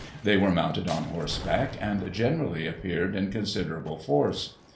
They were mounted on horseback, and generally appeared in con siderable force.